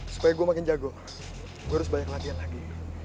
supaya gue makin jago gue harus banyak latihan lagi